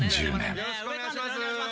よろしくお願いします。